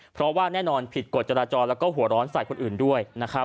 เพราะว่าแน่นอนผิดกฎจราจรแล้วก็หัวร้อนใส่คนอื่นด้วยนะครับ